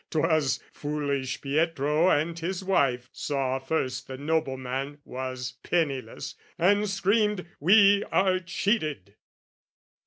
'Twas foolish Pietro and his wife saw first The nobleman was penniless, and screamed "We are cheated!"